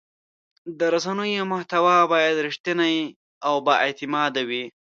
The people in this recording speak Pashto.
د رسنیو محتوا باید رښتینې او بااعتماده وي.